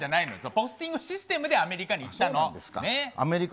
ポスティングシステムでアメリカに行ったの。